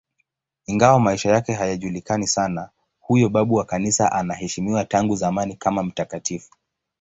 Ingawa maisha yake hayajulikani sana, huyo babu wa Kanisa anaheshimiwa tangu zamani kama mtakatifu.